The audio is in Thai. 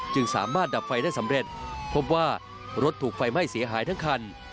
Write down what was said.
สามารถดับไฟได้สำเร็จพบว่ารถถูกไฟไหม้เสียหายทั้งคัน